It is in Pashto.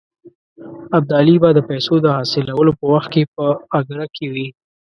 ابدالي به د پیسو د حاصلولو په وخت کې په اګره کې وي.